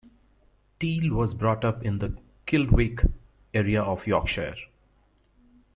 Teal was brought up in the Kildwick area of Yorkshire.